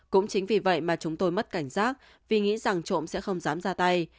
cũng chính vì vậy mà chúng tôi mất cảnh giác vì nghĩ rằng trộm sẽ không dám ra tay